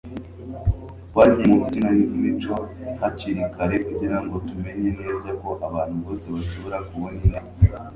Twagiye mu ikinamico hakiri kare kugira ngo tumenye neza ko abantu bose bashobora kubona intebe